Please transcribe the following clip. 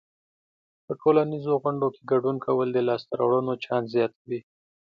په ټولنیزو غونډو کې ګډون کول د لاسته راوړنو چانس زیاتوي.